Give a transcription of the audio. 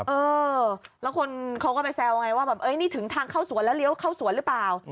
เออแล้วคนเขาก็ไปแซวไงว่าแบบนี่ถึงทางเข้าสวนแล้วเลี้ยวเข้าสวนหรือเปล่า